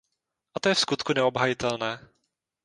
A to je vskutku neobhajitelné.